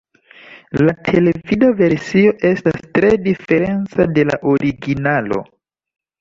La televida versio estas tre diferenca de la originalo.